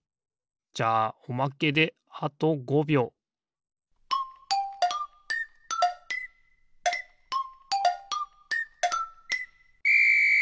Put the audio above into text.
じゃあおまけであと５びょうピッ！